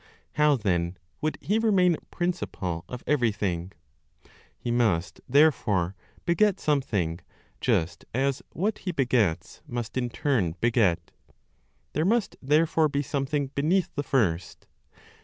How then would He remain principle of everything? He must therefore beget something, just as what He begets must in turn beget. There must therefore be something beneath the First.